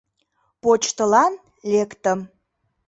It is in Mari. Почтылан лектым.